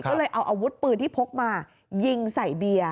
ก็เลยเอาอาวุธปืนที่พกมายิงใส่เบียร์